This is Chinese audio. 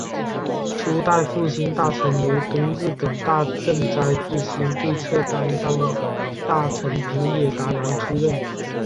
初代复兴大臣由东日本大震灾复兴对策担当大臣平野达男出任。